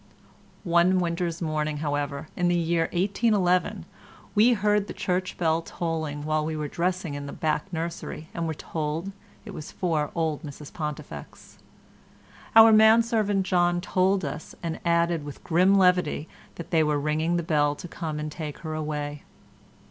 One winter's morning, however, in the year 1811, we heard the church bell tolling while we were dressing in the back nursery and were told it was for old Mrs Pontifex. Our man servant John told us and added with grim levity that they were ringing the bell to come and take her away.